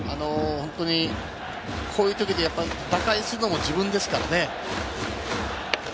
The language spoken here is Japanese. こういうとき打開するのも自分ですからね。